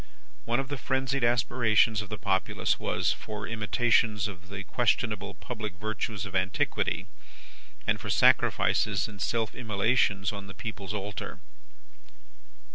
One of the frenzied aspirations of the populace was, for imitations of the questionable public virtues of antiquity, and for sacrifices and self immolations on the people's altar.